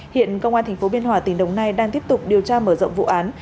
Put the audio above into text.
hiện công an tp biên hòa tỉnh đồng nai đang tiếp tục điều tra mở rộng vụ án